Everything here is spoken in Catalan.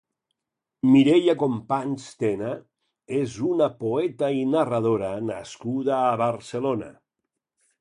Mireia Companys Tena és una poeta i narradora nascuda a Barcelona.